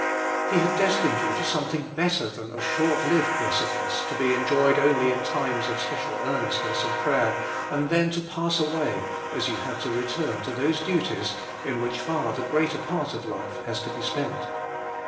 He had destined you to something better than a short lived blessedness, to be enjoyed only in times of special earnestness and prayer, and then to pass away, as you had to return to those duties in which far the greater part of life has to be spent.